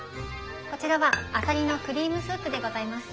こちらはあさりのクリームスープでございます。